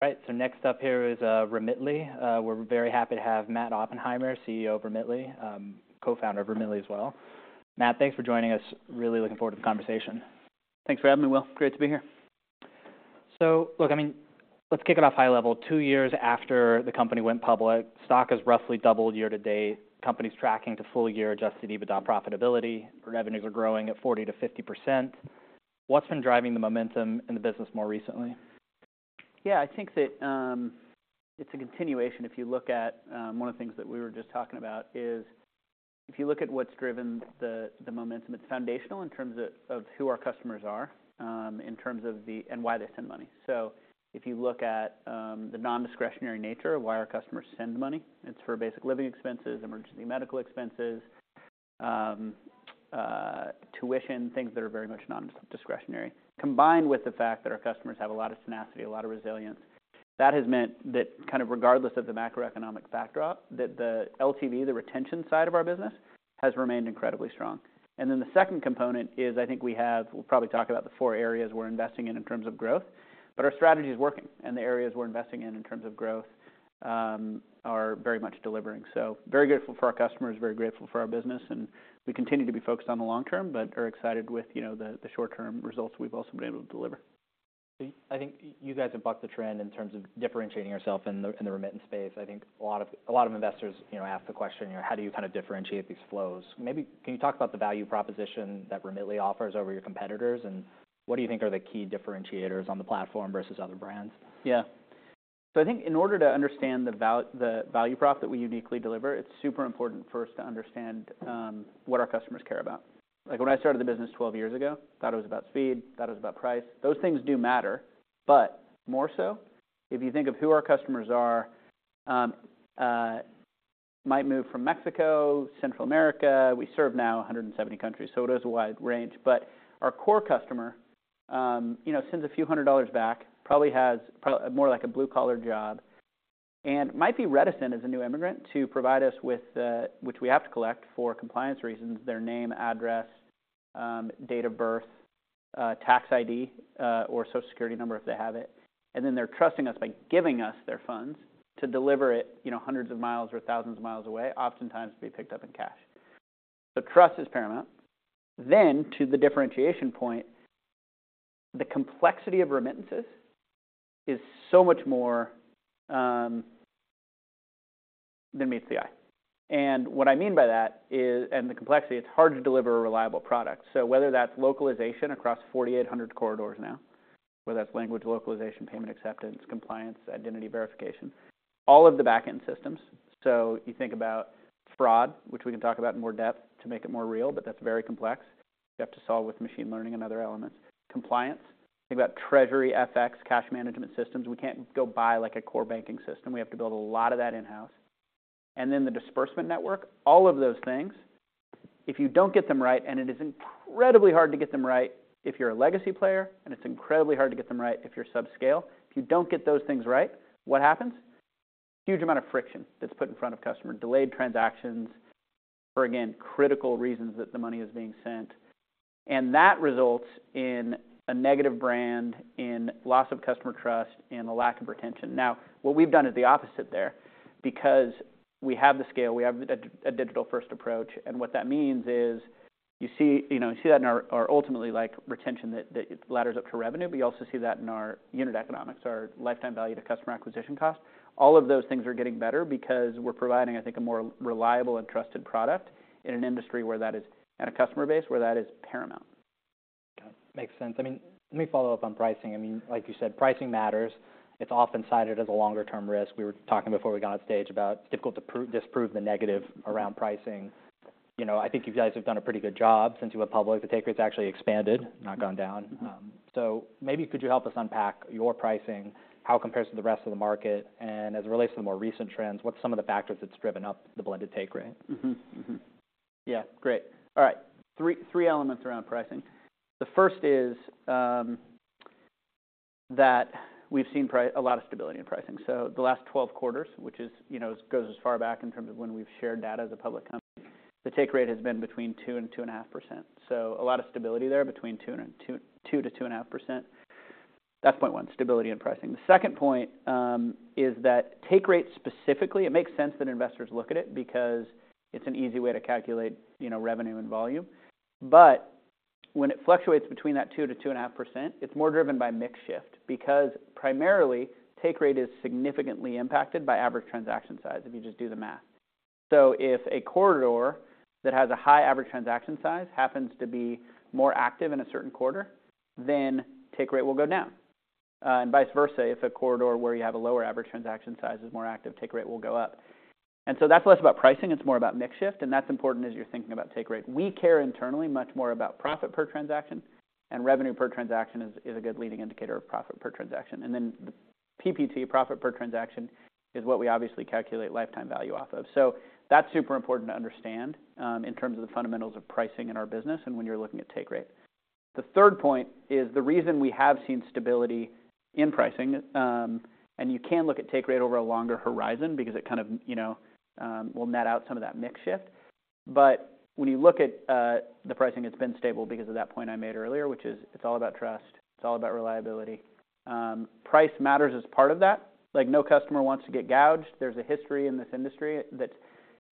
Right, so next up here is Remitly. We're very happy to have Matt Oppenheimer, CEO of Remitly, co-founder of Remitly as well. Matt, thanks for joining us. Really looking forward to the conversation. Thanks for having me, Will. Great to be here. So look, I mean, let's kick it off high level. Two years after the company went public, stock has roughly doubled year to date. Company's tracking to full year Adjusted EBITDA profitability. Revenues are growing at 40%-50%. What's been driving the momentum in the business more recently? Yeah, I think that, it's a continuation. If you look at... one of the things that we were just talking about is, if you look at what's driven the, the momentum, it's foundational in terms of, of who our customers are, in terms of and why they send money. So if you look at, the non-discretionary nature of why our customers send money, it's for basic living expenses, emergency medical expenses, tuition, things that are very much non-discretionary. Combined with the fact that our customers have a lot of tenacity, a lot of resilience, that has meant that kind of, regardless of the macroeconomic backdrop, that the LTV, the retention side of our business, has remained incredibly strong. Then the second component is, I think we'll probably talk about the four areas we're investing in in terms of growth, but our strategy is working, and the areas we're investing in in terms of growth are very much delivering. So very grateful for our customers, very grateful for our business, and we continue to be focused on the long term, but are excited with, you know, the, the short-term results we've also been able to deliver. I think you guys have bucked the trend in terms of differentiating yourself in the, in the remittance space. I think a lot of, a lot of investors, you know, ask the question, "How do you kind of differentiate these flows?" Maybe, can you talk about the value proposition that Remitly offers over your competitors, and what do you think are the key differentiators on the platform versus other brands? Yeah. So I think in order to understand the value prop that we uniquely deliver, it's super important for us to understand what our customers care about. Like, when I started the business 12 years ago, thought it was about speed, thought it was about price. Those things do matter, but more so, if you think of who our customers are, might move from Mexico, Central America. We serve now 170 countries, so it is a wide range. But our core customer, you know, sends a few hundred dollars back, probably has more like a blue-collar job and might be reticent as a new immigrant to provide us with the... which we have to collect for compliance reasons, their name, address, date of birth, tax ID, or Social Security number, if they have it. And then they're trusting us by giving us their funds to deliver it, you know, hundreds of miles or thousands of miles away, oftentimes to be picked up in cash. So trust is paramount. Then, to the differentiation point, the complexity of remittances is so much more than meets the eye. And what I mean by that is, and the complexity, it's hard to deliver a reliable product. So whether that's localization across 4,800 corridors now, whether that's language localization, payment acceptance, compliance, identity verification, all of the back-end systems. So you think about fraud, which we can talk about in more depth to make it more real, but that's very complex, you have to solve with machine learning and other elements. Compliance. Think about treasury, FX, cash management systems. We can't go buy like a core banking system. We have to build a lot of that in-house. And then the disbursement network, all of those things, if you don't get them right, and it is incredibly hard to get them right if you're a legacy player, and it's incredibly hard to get them right if you're subscale. If you don't get those things right, what happens? Huge amount of friction that's put in front of customer. Delayed transactions for, again, critical reasons that the money is being sent. And that results in a negative brand, in loss of customer trust, and a lack of retention. Now, what we've done is the opposite there, because we have the scale, we have a digital-first approach. And what that means is, you see, you know, you see that in our ultimately, like, retention, that ladders up to revenue, but you also see that in our unit economics, our lifetime value to customer acquisition cost. All of those things are getting better because we're providing, I think, a more reliable and trusted product in an industry where that is, in a customer base where that is paramount. Makes sense. I mean, let me follow up on pricing. I mean, like you said, pricing matters. It's often cited as a longer-term risk. We were talking before we got on stage about it's difficult to prove-disprove the negative around pricing. You know, I think you guys have done a pretty good job since you went public. The take rate's actually expanded, not gone down. So maybe could you help us unpack your pricing, how it compares to the rest of the market? And as it relates to the more recent trends, what's some of the factors that's driven up the blended take rate? Yeah, great. All right. Three elements around pricing. The first is that we've seen a lot of stability in pricing. So the last 12 quarters, which is, you know, goes as far back in terms of when we've shared data as a public company, the take rate has been between 2% and 2.5%. So a lot of stability there, between 2% and 2.5%. That's point one, stability in pricing. The second point is that take rate specifically, it makes sense that investors look at it because it's an easy way to calculate, you know, revenue and volume. But when it fluctuates between that 2%-2.5%, it's more driven by mix shift, because primarily, take rate is significantly impacted by average transaction size, if you just do the math. So if a corridor that has a high average transaction size happens to be more active in a certain quarter, then take rate will go down. And vice versa, if a corridor where you have a lower average transaction size is more active, take rate will go up. And so that's less about pricing, it's more about mix shift, and that's important as you're thinking about take rate. We care internally much more about profit per transaction, and revenue per transaction is, is a good leading indicator of profit per transaction. And then the PPT, profit per transaction, is what we obviously calculate lifetime value off of. So that's super important to understand, in terms of the fundamentals of pricing in our business and when you're looking at take rate. The third point is the reason we have seen stability in pricing, and you can look at take rate over a longer horizon because it kind of, you know, will net out some of that mix shift. But when you look at the pricing, it's been stable because of that point I made earlier, which is, it's all about trust, it's all about reliability. Price matters as part of that. Like, no customer wants to get gouged. There's a history in this industry that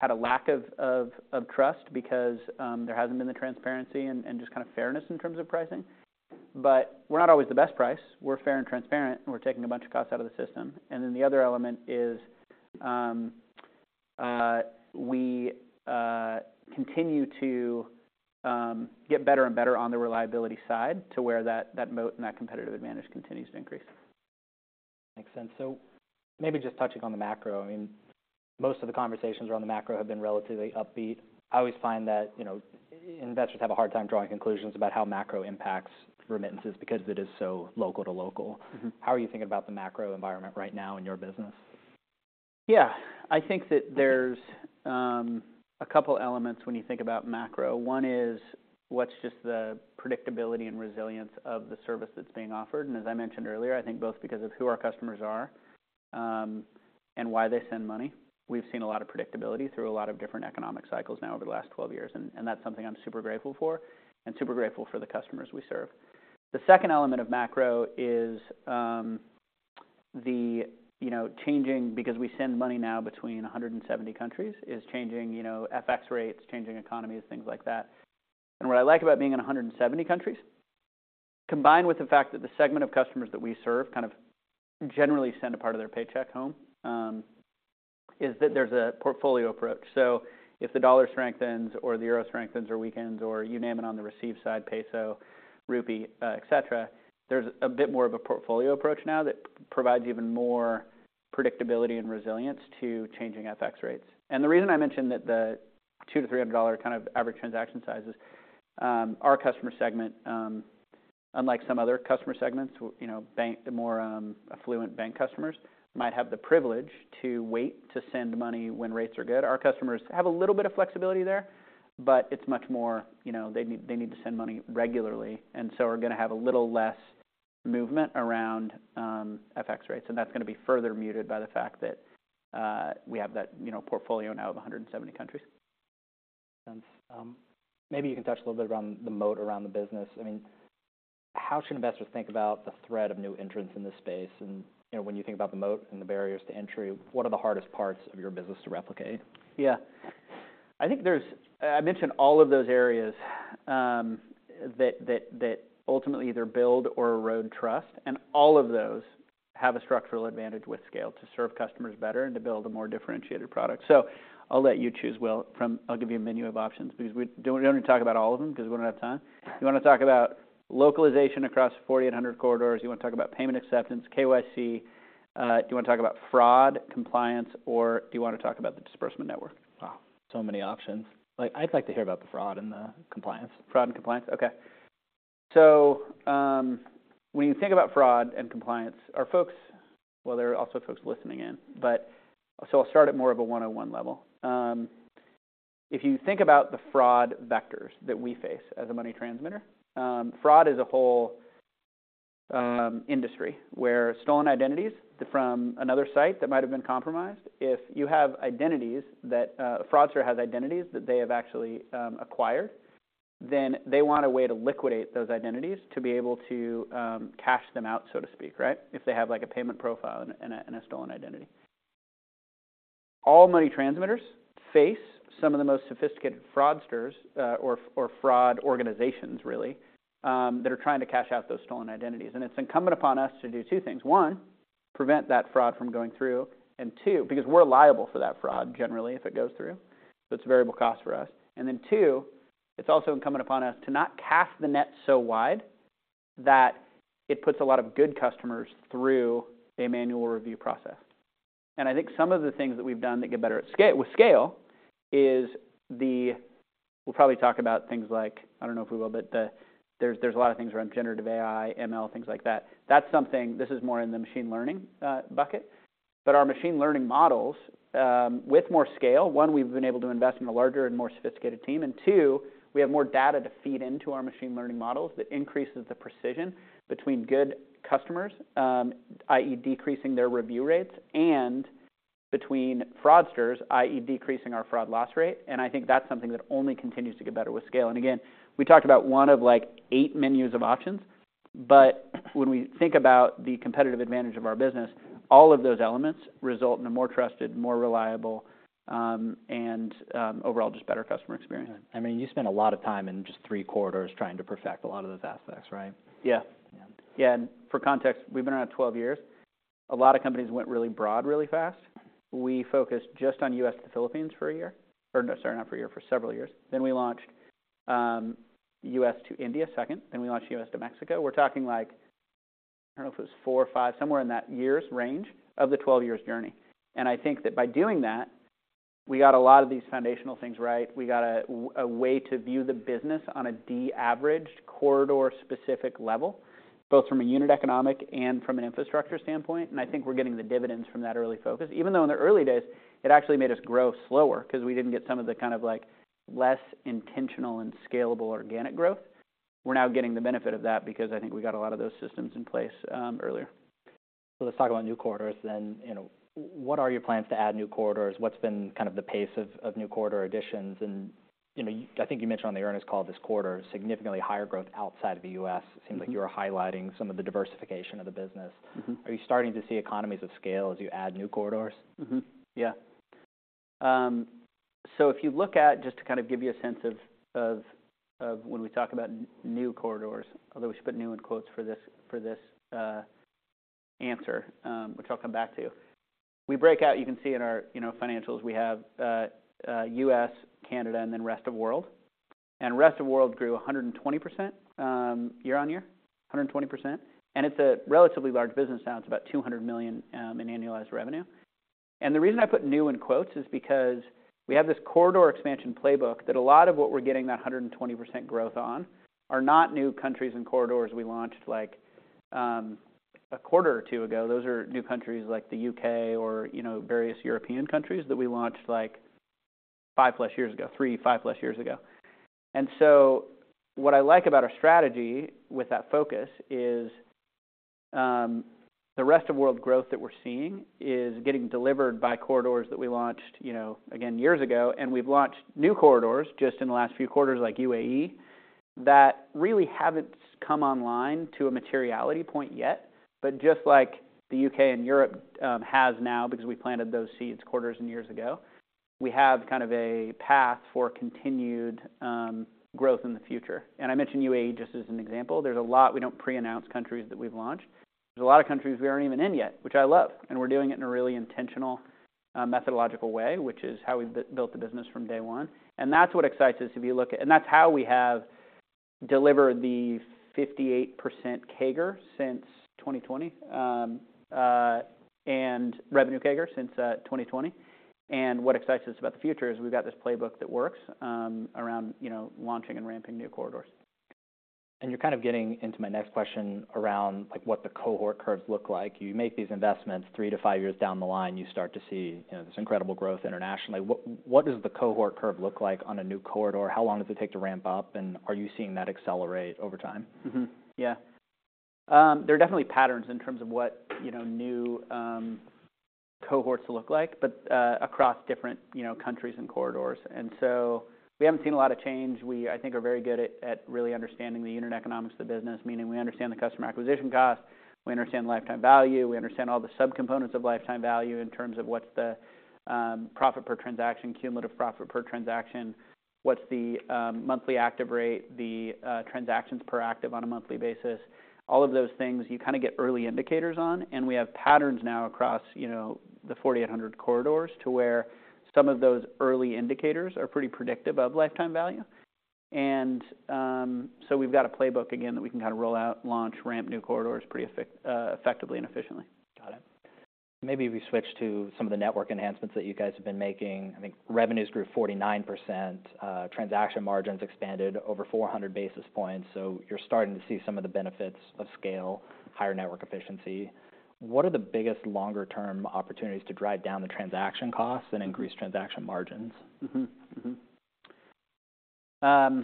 had a lack of trust because there hasn't been the transparency and just kind of fairness in terms of pricing. But we're not always the best price. We're fair and transparent, and we're taking a bunch of costs out of the system. And then the other element is, we continue to get better and better on the reliability side to where that, that moat and that competitive advantage continues to increase. Makes sense. So maybe just touching on the macro. I mean, most of the conversations around the macro have been relatively upbeat. I always find that, you know, investors have a hard time drawing conclusions about how macro impacts remittances because it is so local to local. How are you thinking about the macro environment right now in your business? Yeah, I think that there's a couple elements when you think about macro. One is, what's just the predictability and resilience of the service that's being offered? And as I mentioned earlier, I think both because of who our customers are and why they send money. We've seen a lot of predictability through a lot of different economic cycles now over the last 12 years, and that's something I'm super grateful for and super grateful for the customers we serve. The second element of macro is the, you know, changing because we send money now between 170 countries, is changing, you know, FX rates, changing economies, things like that. What I like about being in 170 countries, combined with the fact that the segment of customers that we serve kind of generally send a part of their paycheck home, is that there's a portfolio approach. So if the dollar strengthens or the euro strengthens or weakens, or you name it, on the receive side, peso, rupee, et cetera, there's a bit more of a portfolio approach now that provides even more predictability and resilience to changing FX rates. The reason I mentioned that the $200-$300 kind of average transaction sizes, our customer segment, unlike some other customer segments, you know, bank- the more, affluent bank customers, might have the privilege to wait to send money when rates are good. Our customers have a little bit of flexibility there, but it's much more, you know, they need, they need to send money regularly, and so are gonna have a little less movement around, FX rates. And that's gonna be further muted by the fact that, we have that, you know, portfolio now of 170 countries. Maybe you can touch a little bit around the moat, around the business. I mean, how should investors think about the threat of new entrants in this space? And, you know, when you think about the moat and the barriers to entry, what are the hardest parts of your business to replicate? Yeah. I think there's... I mentioned all of those areas, that ultimately either build or erode trust, and all of those have a structural advantage with scale to serve customers better and to build a more differentiated product. So I'll let you choose, Will. I'll give you a menu of options because we don't need to talk about all of them because we don't have time. You want to talk about localization across 4,800 corridors? You want to talk about payment acceptance, KYC? Do you want to talk about fraud, compliance, or do you want to talk about the disbursement network? Wow, so many options. Like, I'd like to hear about the fraud and the compliance. Fraud and compliance. Okay. So, when you think about fraud and compliance, our folks, well, there are also folks listening in, but so I'll start at more of a one-on-one level. If you think about the fraud vectors that we face as a money transmitter, fraud is a whole industry where stolen identities from another site that might have been compromised. If you have identities that a fraudster has identities that they have actually acquired, then they want a way to liquidate those identities to be able to cash them out, so to speak, right? If they have, like, a payment profile and a, and a stolen identity. All money transmitters face some of the most sophisticated fraudsters or fraud organizations really that are trying to cash out those stolen identities, and it's incumbent upon us to do two things: One, prevent that fraud from going through, and two, because we're liable for that fraud, generally, if it goes through, so it's a variable cost for us. And then two, it's also incumbent upon us to not cast the net so wide that it puts a lot of good customers through a manual review process. And I think some of the things that we've done that get better at scale with scale is. We'll probably talk about things like, I don't know if we will, but there's a lot of things around generative AI, ML, things like that. That's something this is more in the machine learning bucket, but our machine learning models with more scale, one, we've been able to invest in a larger and more sophisticated team, and two, we have more data to feed into our machine learning models. That increases the precision between good customers, i.e., decreasing their review rates, and between fraudsters, i.e., decreasing our fraud loss rate, and I think that's something that only continues to get better with scale. And again, we talked about one of, like, eight menus of options, but when we think about the competitive advantage of our business, all of those elements result in a more trusted, more reliable, and overall just better customer experience. I mean, you spent a lot of time in just three quarters trying to perfect a lot of those aspects, right? Yeah. Yeah. Yeah, and for context, we've been around 12 years. A lot of companies went really broad, really fast. We focused just on U.S. to Philippines for a year, or no, sorry, not for a year, for several years. Then we launched, U.S. to India second, then we launched U.S. to Mexico. We're talking like, I don't know if it was 4 or 5, somewhere in that years range of the 12 years journey. And I think that by doing that, we got a lot of these foundational things right. We got a way to view the business on a de-averaged corridor-specific level, both from a unit economic and from an infrastructure standpoint, and I think we're getting the dividends from that early focus. Even though in the early days it actually made us grow slower because we didn't get some of the kind of like, less intentional and scalable organic growth, we're now getting the benefit of that because I think we got a lot of those systems in place earlier. So let's talk about new corridors then. You know, what are your plans to add new corridors? What's been kind of the pace of new corridor additions? And, you know, I think you mentioned on the earnings call this quarter, significantly higher growth outside of the U.S. It seems like you were highlighting some of the diversification of the business. Are you starting to see economies of scale as you add new corridors? Yeah. So if you look at, just to kind of give you a sense of when we talk about new corridors, although we should put new in quotes for this answer, which I'll come back to. We break out, you can see in our, you know, financials, we have US, Canada, and then Rest of World. And Rest of World grew 100% year-on-year, 100%, and it's a relatively large business now. It's about $200 million in annualized revenue. And the reason I put new in quotes is because we have this corridor expansion playbook, that a lot of what we're getting that 100% growth on are not new countries and corridors we launched, like a quarter or two ago. Those are new countries like the UK or, you know, various European countries that we launched, like, five plus years ago, three, five plus years ago. And so what I like about our strategy with that focus is, the Rest of World growth that we're seeing is getting delivered by corridors that we launched, you know, again, years ago. And we've launched new corridors just in the last few quarters, like UAE, that really haven't come online to a materiality point yet. But just like the UK and Europe has now, because we planted those seeds quarters and years ago, we have kind of a path for continued growth in the future. And I mention UAE just as an example. There's a lot, we don't preannounce countries that we've launched. There's a lot of countries we aren't even in yet, which I love, and we're doing it in a really intentional, methodological way, which is how we built the business from day one. And that's what excites us if you look at, and that's how we have delivered the 58% CAGR since 2020. And revenue CAGR since 2020. And what excites us about the future is we've got this playbook that works, around, you know, launching and ramping new corridors. And you're kind of getting into my next question around, like, what the cohort curves look like. You make these investments 3-5 years down the line, you start to see, you know, this incredible growth internationally. What does the cohort curve look like on a new corridor? How long does it take to ramp up, and are you seeing that accelerate over time? Yeah. There are definitely patterns in terms of what, you know, new cohorts look like, but across different, you know, countries and corridors, and so we haven't seen a lot of change. We, I think, are very good at really understanding the unit economics of the business, meaning we understand the customer acquisition cost, we understand lifetime value, we understand all the subcomponents of lifetime value in terms of what's the profit per transaction, cumulative profit per transaction, what's the monthly active rate, the transactions per active on a monthly basis. All of those things, you kinda get early indicators on, and we have patterns now across, you know, the 4,800 corridors to where some of those early indicators are pretty predictive of lifetime value. So we've got a playbook again that we can kind of roll out, launch, ramp new corridors pretty effectively and efficiently. Got it. Maybe if we switch to some of the network enhancements that you guys have been making. I think revenues grew 49%, transaction margins expanded over 400 basis points, so you're starting to see some of the benefits of scale, higher network efficiency. What are the biggest longer-term opportunities to drive down the transaction costs and increase transaction margins? I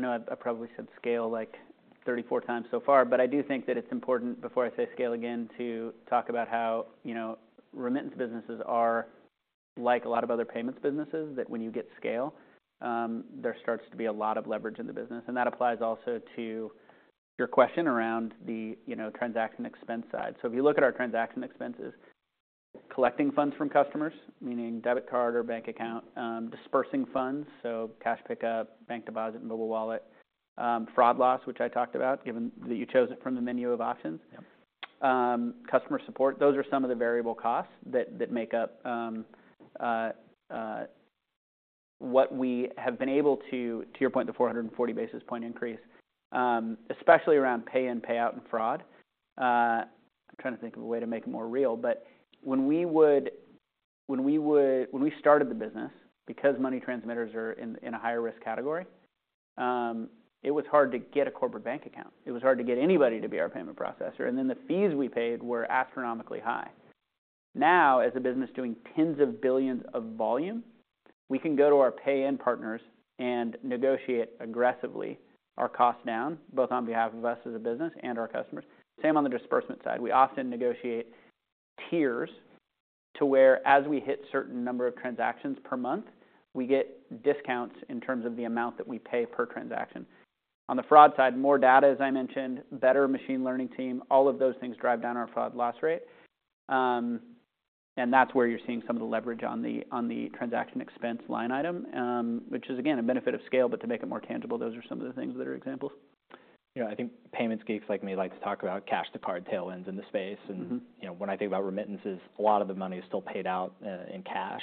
know I probably said scale, like, 34 times so far, but I do think that it's important, before I say scale again, to talk about how, you know, remittance businesses are like a lot of other payments businesses, that when you get scale, there starts to be a lot of leverage in the business. And that applies also to your question around the, you know, transaction expense side. So if you look at our transaction expenses, collecting funds from customers, meaning debit card or bank account, disbursing funds, so cash pickup, bank deposit, and mobile wallet, fraud loss, which I talked about, given that you chose it from the menu of options. Yep. Customer support, those are some of the variable costs that make up what we have been able to, to your point, the 440 basis-point increase, especially around pay-in, payout, and fraud. I'm trying to think of a way to make it more real, but when we started the business, because money transmitters are in a higher risk category, it was hard to get a corporate bank account. It was hard to get anybody to be our payment processor, and then the fees we paid were astronomically high. Now, as a business doing tens of billions of volume, we can go to our pay-in partners and negotiate aggressively our cost down, both on behalf of us as a business and our customers. Same on the disbursement side. We often negotiate tiers to where, as we hit certain number of transactions per month, we get discounts in terms of the amount that we pay per transaction. On the fraud side, more data, as I mentioned, better machine learning team, all of those things drive down our fraud loss rate. And that's where you're seeing some of the leverage on the transaction expense line item, which is again, a benefit of scale, but to make it more tangible, those are some of the things that are examples. You know, I think payments geeks like me like to talk about cash-to-card tailwinds in the space. You know, when I think about remittances, a lot of the money is still paid out in cash.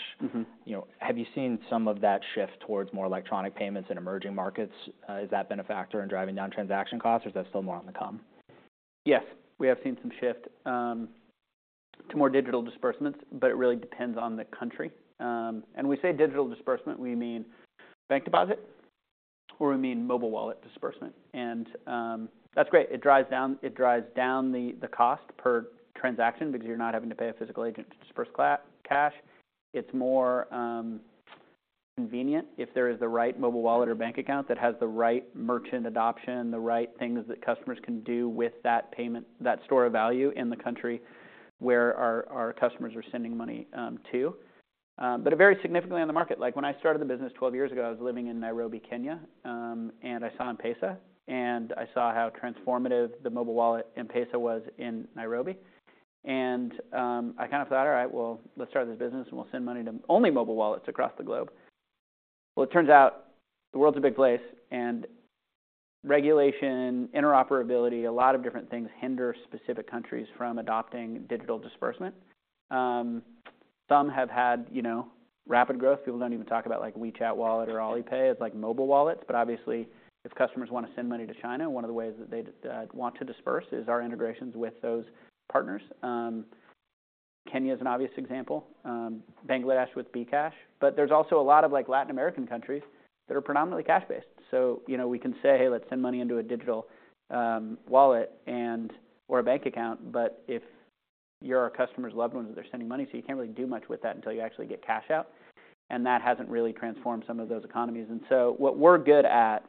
You know, have you seen some of that shift towards more electronic payments in emerging markets? Has that been a factor in driving down transaction costs, or is that still more on the come? Yes, we have seen some shift to more digital disbursements, but it really depends on the country. And we say digital disbursement, we mean bank deposit, or we mean mobile wallet disbursement, and that's great. It drives down, it drives down the cost per transaction because you're not having to pay a physical agent to disburse cash. It's more convenient if there is the right mobile wallet or bank account that has the right merchant adoption, the right things that customers can do with that payment, that store of value in the country where our customers are sending money to. But a very significantly on the market. Like, when I started the business 12 years ago, I was living in Nairobi, Kenya, and I saw M-PESA, and I saw how transformative the mobile wallet M-PESA was in Nairobi. I kind of thought, "All right, well, let's start this business, and we'll send money to only mobile wallets across the globe." Well, it turns out the world's a big place, and regulation, interoperability, a lot of different things hinder specific countries from adopting digital disbursement. Some have had, you know, rapid growth. People don't even talk about, like, WeChat Wallet or Alipay as, like, mobile wallets. But obviously, if customers wanna send money to China, one of the ways that they'd want to disburse is our integrations with those partners. Kenya is an obvious example, Bangladesh with bKash, but there's also a lot of, like, Latin American countries that are predominantly cash-based. So, you know, we can say, "Hey, let's send money into a digital wallet and or a bank account," but if you're a customer's loved one, they're sending money, so you can't really do much with that until you actually get cash out, and that hasn't really transformed some of those economies. And so what we're good at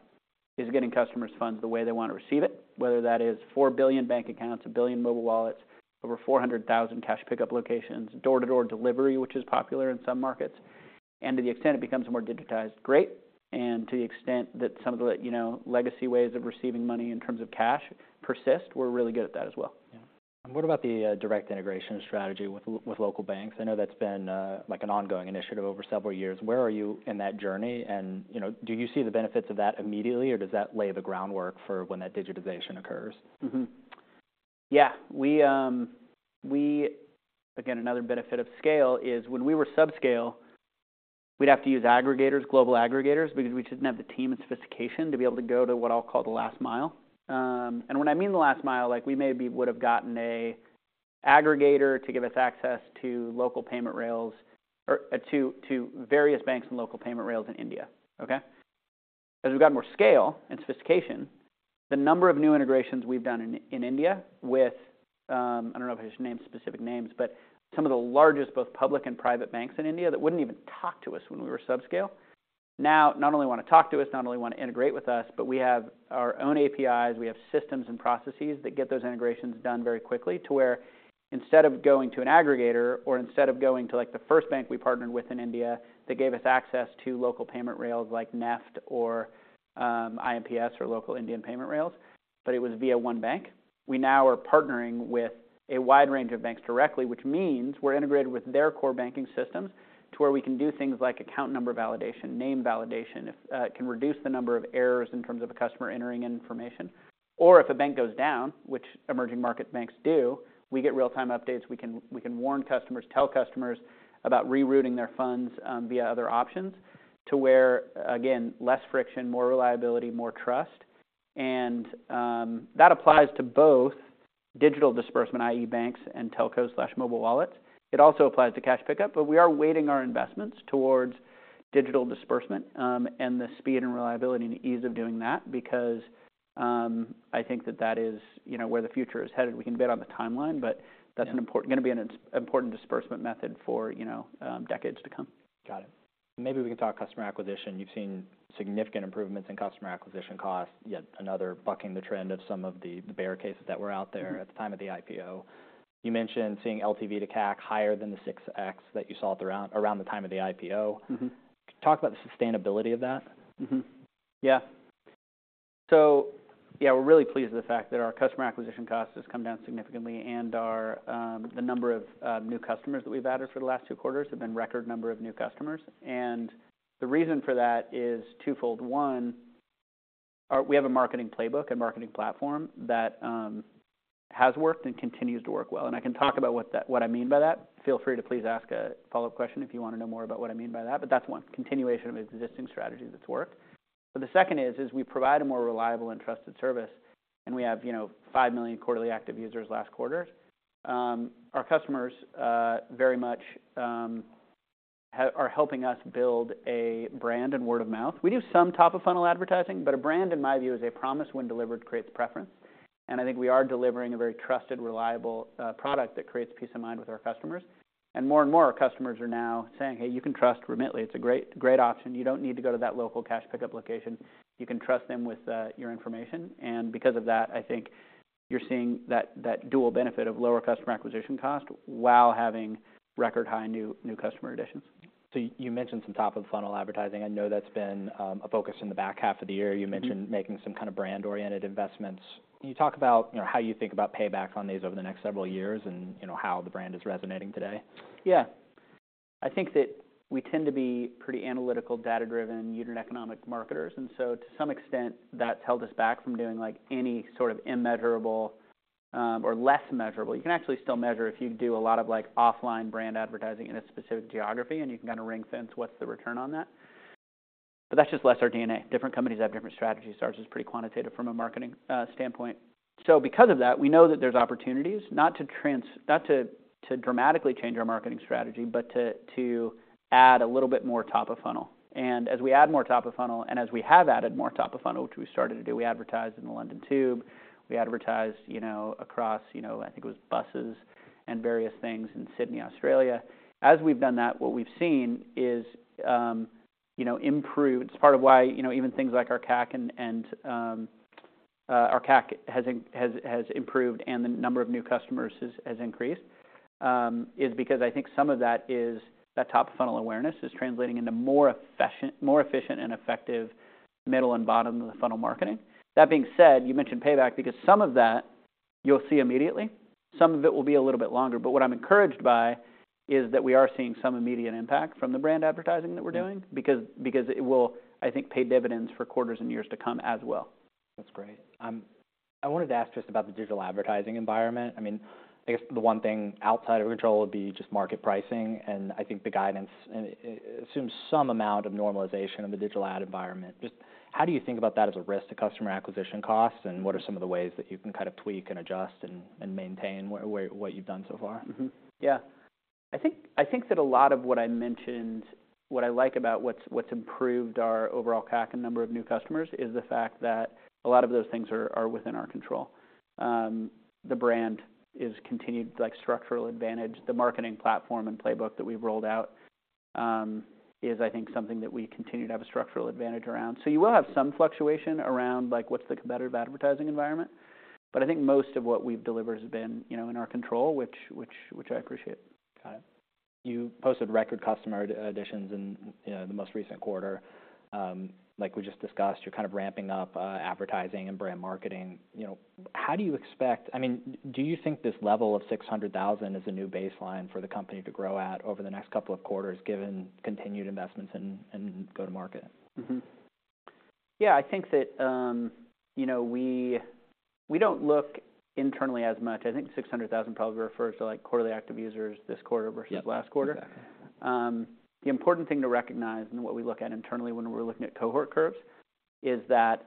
is getting customers funds the way they want to receive it, whether that is 4 billion bank accounts, 1 billion mobile wallets, over 400,000 cash pickup locations, door-to-door delivery, which is popular in some markets. And to the extent it becomes more digitized, great, and to the extent that some of the, you know, legacy ways of receiving money in terms of cash persist, we're really good at that as well. Yeah. What about the direct integration strategy with local banks? I know that's been like an ongoing initiative over several years. Where are you in that journey? And, you know, do you see the benefits of that immediately, or does that lay the groundwork for when that digitization occurs? Yeah, we—Again, another benefit of scale is when we were subscale, we'd have to use aggregators, global aggregators, because we didn't have the team and sophistication to be able to go to what I'll call the last mile. And when I mean the last mile, like, we maybe would have gotten an aggregator to give us access to local payment rails or to various banks and local payment rails in India, okay? As we've got more scale and sophistication, the number of new integrations we've done in India with... I don't know if I should name specific names, but some of the largest, both public and private banks in India, that wouldn't even talk to us when we were subscale, now not only wanna talk to us, not only wanna integrate with us, but we have our own APIs. We have systems and processes that get those integrations done very quickly to where instead of going to an aggregator or instead of going to, like, the first bank we partnered with in India, that gave us access to local payment rails like NEFT or IMPS, or local Indian payment rails, but it was via one bank. We now are partnering with a wide range of banks directly, which means we're integrated with their core banking systems to where we can do things like account number validation, name validation. It can reduce the number of errors in terms of a customer entering information. Or if a bank goes down, which emerging market banks do, we get real-time updates. We can warn customers, tell customers about rerouting their funds via other options, to where, again, less friction, more reliability, more trust. That applies to both digital disbursement, i.e., banks and telcos/mobile wallets. It also applies to cash pickup, but we are weighting our investments towards digital disbursement, and the speed and reliability and ease of doing that because, I think that that is, you know, where the future is headed. We can bet on the timeline, but that's an important- gonna be an important disbursement method for, you know, decades to come. Got it. Maybe we can talk customer acquisition. You've seen significant improvements in customer acquisition costs, yet another bucking the trend of some of the bear cases that were out there at the time of the IPO. You mentioned seeing LTV to CAC higher than the 6x that you saw at around the time of the IPO. Talk about the sustainability of that? Yeah. So yeah, we're really pleased with the fact that our customer acquisition cost has come down significantly, and our... The number of new customers that we've added for the last 2 quarters have been record number of new customers, and the reason for that is twofold. One, we have a marketing playbook and marketing platform that has worked and continues to work well, and I can talk about what that—what I mean by that. Feel free to please ask a follow-up question if you wanna know more about what I mean by that, but that's one, continuation of existing strategy that's worked. But the second is we provide a more reliable and trusted service, and we have, you know, 5 million quarterly active users last quarter. Our customers very much are helping us build a brand and word-of-mouth. We do some top-of-funnel advertising, but a brand, in my view, is a promise when delivered, creates preference. And I think we are delivering a very trusted, reliable product that creates peace of mind with our customers. And more and more customers are now saying, "Hey, you can trust Remitly. It's a great, great option. You don't need to go to that local cash pickup location. You can trust them with your information." And because of that, I think you're seeing that dual benefit of lower customer acquisition cost while having record high new, new customer additions. So you mentioned some top-of-funnel advertising. I know that's been a focus in the back half of the year. You mentioned making some kind of brand-oriented investments. Can you talk about, you know, how you think about payback on these over the next several years and, you know, how the brand is resonating today? Yeah. I think that we tend to be pretty analytical, data-driven, unit economic marketers, and so to some extent, that's held us back from doing, like, any sort of immeasurable, or less measurable. You can actually still measure if you do a lot of, like, offline brand advertising in a specific geography, and you can kind of ring-fence what's the return on that. But that's just less our DNA. Different companies have different strategies. Ours is pretty quantitative from a marketing standpoint. So because of that, we know that there's opportunities not to dramatically change our marketing strategy, but to add a little bit more top of funnel. As we add more top of funnel, and as we have added more top of funnel, which we started to do, we advertised in the London Tube, we advertised, you know, across, you know, I think it was buses and various things in Sydney, Australia. As we've done that, what we've seen is, you know, improved. It's part of why, you know, even things like our CAC has improved and the number of new customers has increased, is because I think some of that is that top-of-funnel awareness is translating into more efficient, more efficient and effective middle and bottom-of-the-funnel marketing. That being said, you mentioned payback because some of that you'll see immediately, some of it will be a little bit longer. But what I'm encouraged by is that we are seeing some immediate impact from the brand advertising that we're doing- Yeah. because, because it will, I think, pay dividends for quarters and years to come as well. That's great. I wanted to ask just about the digital advertising environment. I mean, I guess the one thing outside of your control would be just market pricing, and I think the guidance, and it assumes some amount of normalization of the digital ad environment. Just how do you think about that as a risk to customer acquisition costs? And what are some of the ways that you can kind of tweak and adjust and maintain where what you've done so far? Yeah. I think that a lot of what I mentioned, what I like about what's improved our overall CAC and number of new customers, is the fact that a lot of those things are within our control. The brand is continued, like, structural advantage. The marketing platform and playbook that we've rolled out is, I think, something that we continue to have a structural advantage around. So you will have some fluctuation around, like, what's the competitive advertising environment. But I think most of what we've delivered has been, you know, in our control, which I appreciate. Got it. You posted record customer additions in, you know, the most recent quarter. Like we just discussed, you're kind of ramping up advertising and brand marketing. You know, how do you expect. I mean, do you think this level of 600,000 is a new baseline for the company to grow at over the next couple of quarters, given continued investments in go-to-market? Yeah, I think that, you know, we, we don't look internally as much. I think 600,000 probably refers to, like, quarterly active users this quarter versus- Yep. Last quarter. Exactly. The important thing to recognize and what we look at internally when we're looking at cohort curves, is that,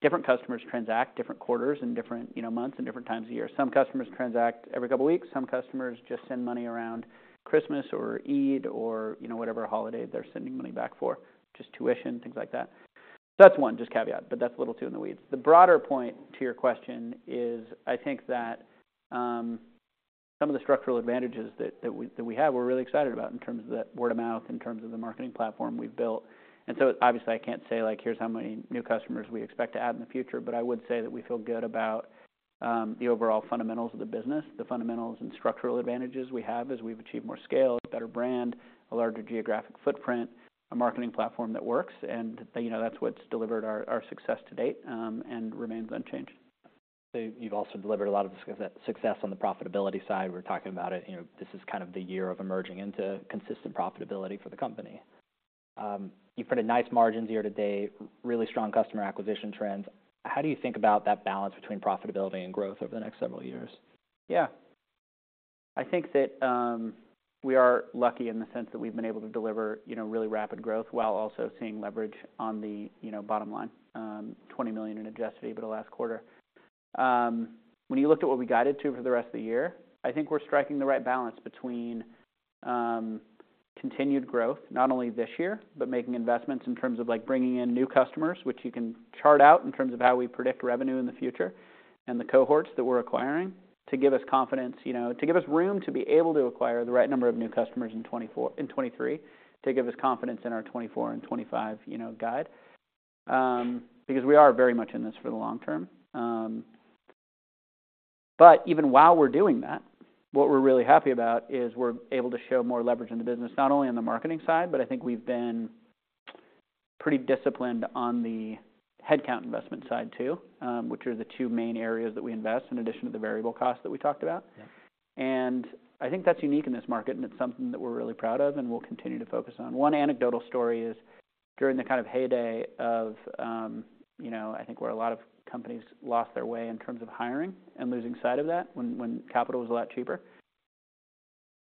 different customers transact different quarters in different, you know, months and different times of year. Some customers transact every couple of weeks. Some customers just send money around Christmas or Eid or, you know, whatever holiday they're sending money back for, just tuition, things like that. That's one, just caveat, but that's a little too in the weeds. The broader point to your question is, I think that, some of the structural advantages that, that we, that we have, we're really excited about in terms of the word of mouth, in terms of the marketing platform we've built. And so obviously, I can't say like: Here's how many new customers we expect to add in the future. But I would say that we feel good about the overall fundamentals of the business, the fundamentals and structural advantages we have as we've achieved more scale, a better brand, a larger geographic footprint, a marketing platform that works. You know, that's what's delivered our success to date, and remains unchanged. So you've also delivered a lot of success on the profitability side. We're talking about it, you know, this is kind of the year of emerging into consistent profitability for the company. You've put a nice margins year-to-date, really strong customer acquisition trends. How do you think about that balance between profitability and growth over the next several years? Yeah. I think that, we are lucky in the sense that we've been able to deliver, you know, really rapid growth while also seeing leverage on the, you know, bottom line, $20 million in Adjusted EBITDA last quarter. When you looked at what we guided to for the rest of the year, I think we're striking the right balance between, continued growth, not only this year, but making investments in terms of like bringing in new customers, which you can chart out in terms of how we predict revenue in the future, and the cohorts that we're acquiring to give us confidence, you know, to give us room to be able to acquire the right number of new customers in 2023, to give us confidence in our 2024 and 2025, you know, guide. Because we are very much in this for the long term. But even while we're doing that, what we're really happy about is we're able to show more leverage in the business, not only on the marketing side, but I think we've been pretty disciplined on the headcount investment side, too, which are the two main areas that we invest in addition to the variable costs that we talked about. Yeah. I think that's unique in this market, and it's something that we're really proud of and we'll continue to focus on. One anecdotal story is during the kind of heyday of, you know, I think where a lot of companies lost their way in terms of hiring and losing sight of that, when capital was a lot cheaper.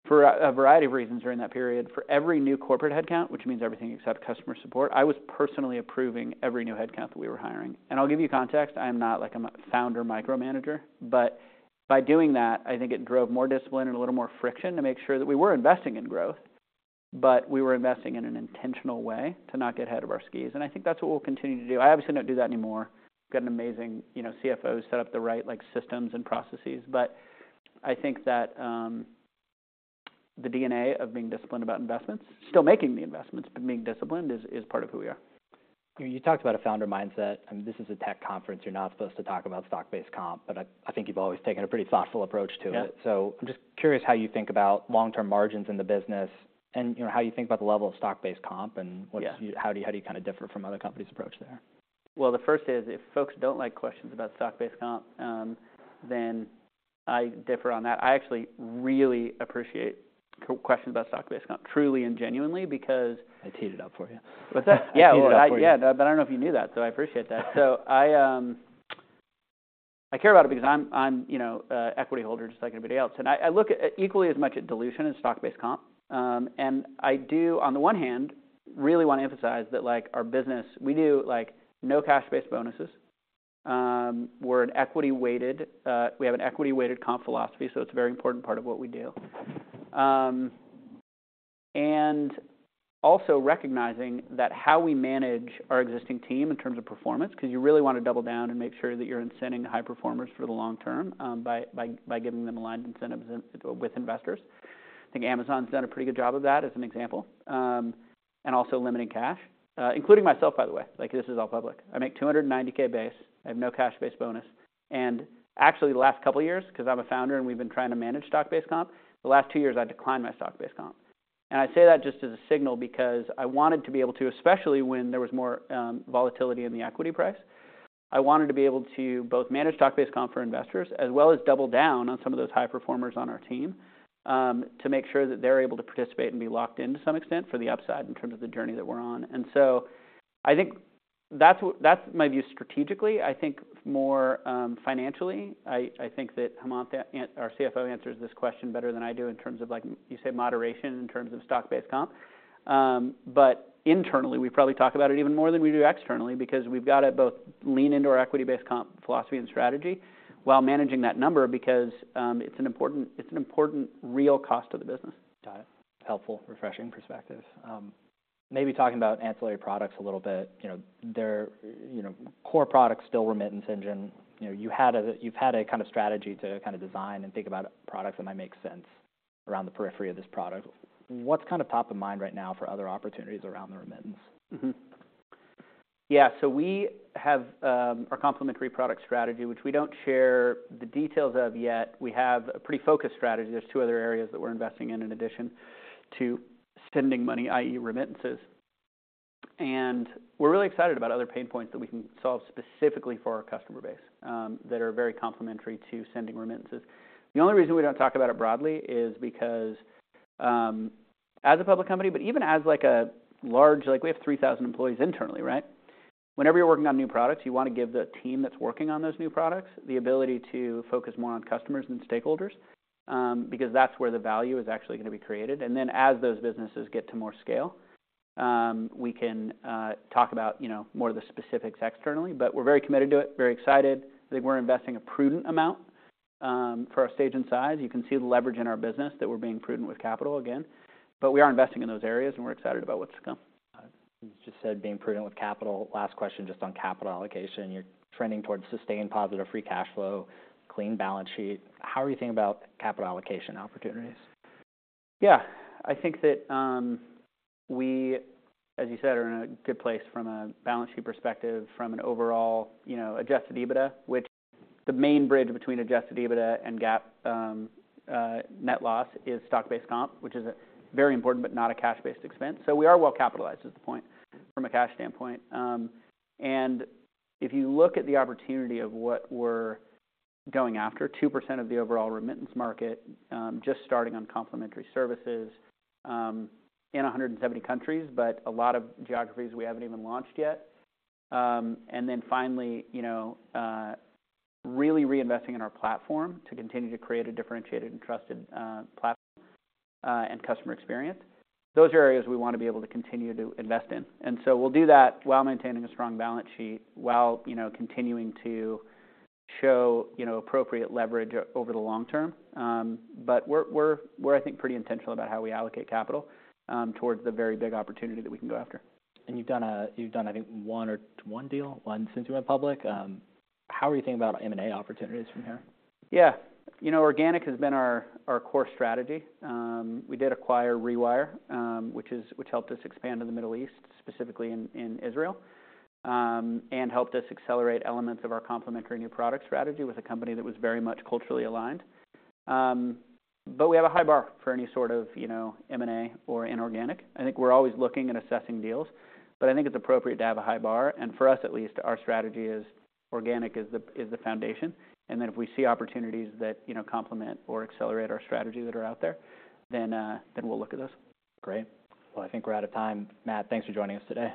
For a variety of reasons during that period, for every new corporate headcount, which means everything except customer support, I was personally approving every new headcount that we were hiring. I'll give you context. I'm not like I'm a founder micromanager, but by doing that, I think it drove more discipline and a little more friction to make sure that we were investing in growth, but we were investing in an intentional way to not get ahead of our skis. I think that's what we'll continue to do. I obviously don't do that anymore. Got an amazing, you know, CFO, set up the right, like, systems and processes. But I think that, the DNA of being disciplined about investments, still making the investments but being disciplined is part of who we are. You talked about a founder mindset. I mean, this is a tech conference, you're not supposed to talk about stock-based comp, but I, I think you've always taken a pretty thoughtful approach to it. Yeah. I'm just curious how you think about long-term margins in the business and, you know, how you think about the level of stock-based comp, and- Yeah What, how do you kinda differ from other companies' approach there? Well, the first is, if folks don't like questions about stock-based comp, then I differ on that. I actually really appreciate questions about stock-based comp, truly and genuinely, because- I teed it up for you. What's that? I teed it up for you. Yeah, but I don't know if you knew that, so I appreciate that. So I care about it because I'm, you know, equity holder just like anybody else. And I look at equally as much at dilution in stock-based comp. And I do, on the one hand, really want to emphasize that, like, our business, we do, like, no cash-based bonuses. We're an equity weighted, we have an equity weighted comp philosophy, so it's a very important part of what we do. And also recognizing that how we manage our existing team in terms of performance, 'cause you really want to double down and make sure that you're incenting the high performers for the long term, by giving them aligned incentives with investors. I think Amazon's done a pretty good job of that as an example, and also limiting cash, including myself, by the way. Like, this is all public. I make $290K base. I have no cash-based bonus, and actually, the last couple of years, 'cause I'm a founder and we've been trying to manage stock-based comp, the last 2 years I declined my stock-based comp. I say that just as a signal, because I wanted to be able to, especially when there was more volatility in the equity price, I wanted to be able to both manage stock-based comp for investors, as well as double down on some of those high performers on our team, to make sure that they're able to participate and be locked in to some extent for the upside in terms of the journey that we're on. And so I think that's my view strategically. I think more, financially, I think that Hemanth, our CFO, answers this question better than I do in terms of, like, you say, moderation in terms of stock-based comp. But internally, we probably talk about it even more than we do externally, because we've got to both lean into our equity-based comp philosophy and strategy while managing that number, because it's an important, it's an important real cost of the business. Got it. Helpful, refreshing perspective. Maybe talking about ancillary products a little bit, you know, their, you know, core products, still remittance engine. You know, you had a, you've had a kind of strategy to kind of design and think about products that might make sense around the periphery of this product. What's kind of top of mind right now for other opportunities around the remittance? Yeah, so we have our complementary product strategy, which we don't share the details of yet. We have a pretty focused strategy. There's two other areas that we're investing in in addition to sending money, i.e., remittances, and we're really excited about other pain points that we can solve specifically for our customer base that are very complementary to sending remittances. The only reason we don't talk about it broadly is because as a public company, but even as, like, a large, like, we have 3,000 employees internally, right? Whenever you're working on new products, you want to give the team that's working on those new products the ability to focus more on customers than stakeholders because that's where the value is actually going to be created. And then, as those businesses get to more scale, we can talk about, you know, more of the specifics externally, but we're very committed to it, very excited. I think we're investing a prudent amount, for our stage and size. You can see the leverage in our business, that we're being prudent with capital again, but we are investing in those areas, and we're excited about what's to come. You just said, being prudent with capital. Last question, just on capital allocation. You're trending towards sustained positive free cash flow, clean balance sheet. How are you thinking about capital allocation opportunities? Yeah. I think that, we, as you said, are in a good place from a balance sheet perspective, from an overall, you know, Adjusted EBITDA, which the main bridge between Adjusted EBITDA and GAAP net loss is stock-based comp, which is a very important but not a cash-based expense. So we are well capitalized, is the point, from a cash standpoint. And if you look at the opportunity of what we're going after, 2% of the overall remittance market, just starting on complementary services, in 170 countries, but a lot of geographies we haven't even launched yet. And then finally, you know, really reinvesting in our platform to continue to create a differentiated and trusted platform and customer experience. Those are areas we want to be able to continue to invest in, and so we'll do that while maintaining a strong balance sheet, while, you know, continuing to show, you know, appropriate leverage over the long term. But we're, I think, pretty intentional about how we allocate capital towards the very big opportunity that we can go after. You've done, I think, one or one deal, one since you went public. How are you thinking about M&A opportunities from here? Yeah. You know, organic has been our, our core strategy. We did acquire Rewire, which helped us expand to the Middle East, specifically in Israel, and helped us accelerate elements of our complementary new product strategy with a company that was very much culturally aligned. But we have a high bar for any sort of, you know, M&A or inorganic. I think we're always looking and assessing deals, but I think it's appropriate to have a high bar, and for us at least, our strategy is organic, the foundation, and then if we see opportunities that, you know, complement or accelerate our strategy that are out there, then we'll look at those. Great. Well, I think we're out of time. Matt, thanks for joining us today.